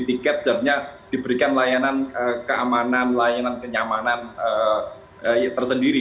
tiket seharusnya diberikan layanan keamanan layanan kenyamanan tersendiri